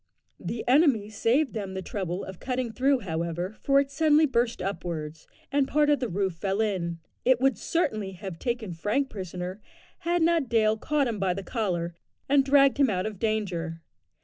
The enemy saved them the trouble of cutting through, however, for it suddenly burst upwards, and part of the roof fell in. It would certainly have taken Frank prisoner had not Dale caught him by the collar, and dragged him out of danger.